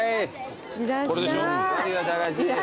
これでしょ？